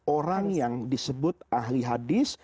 orang yang disebut ahli hadis